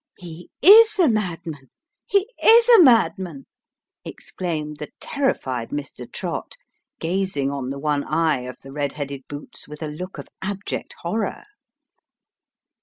" He is a madman ! He is a madman !" exclaimed the terrified Mr. Trott, gazing on the one eye of the red headed boots with a look of abject horror.